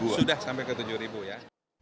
sudah sampai ke rp tujuh ya